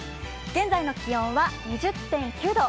現在の気温は２０．９度。